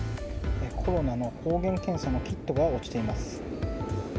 コロナの抗原検査のキットが落ちています。